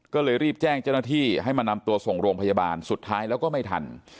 ก็เลยรีบแจ้งเจ้าหน้าที่ให้มานำตัวส่งโรงพยาบาลสุดท้ายแล้วก็ไม่ทัน